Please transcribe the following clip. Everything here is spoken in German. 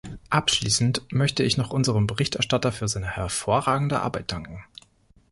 Abschließend möchte ich noch unserem Berichterstatter für seine hervorragende Arbeit danken.